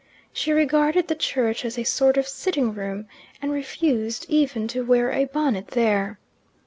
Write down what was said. She regarded the church as a sort of sitting room, and refused even to wear a bonnet there.